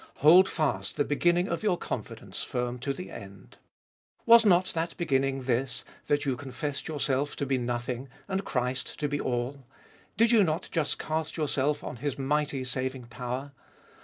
Hold fast the beginning of your confidence firm to the end. Was not that beginning this, that you con fessed yourself to be nothing, and Christ to be all ? Did you not just cast yourself on His mighty saving power?